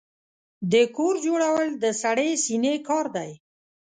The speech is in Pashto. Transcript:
د کور جوړول د سړې سينې کار دی.